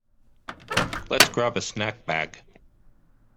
Let’s grab a snack bag.